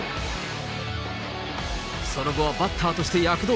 その後はバッターとして躍動。